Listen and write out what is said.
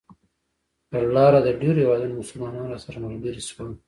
پر لاره د ډېرو هېوادونو مسلمانان راسره ملګري شول.